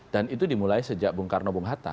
dan itu dimulai sejak bung karno bung hatta